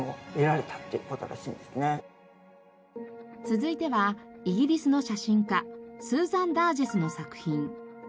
続いてはイギリスの写真家スーザン・ダージェスの作品。